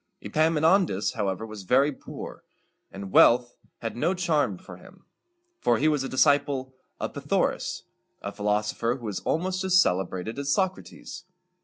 Epaminondas, however, was very poor; and wealth had no charms for him, for he was a disciple of Py tha´o ras, a philosopher who was almost as celebrated as Socrates.